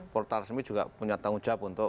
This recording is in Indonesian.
portal resmi juga punya tanggung jawab untuk